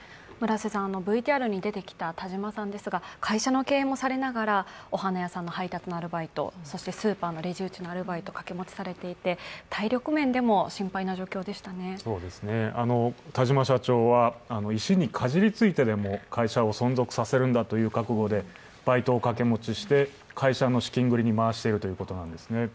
ＶＴＲに出てきた田島さんですが、会社の経営もされながらお花屋さんの配達ですとかそしてスーパーのレジ打ちのアルバイトを掛け持ちされていて、田島社長は石にかじりついてでも会社を存続させるんだという覚悟でバイトをかけ持ちして会社の資金繰りに回しているということなんですね。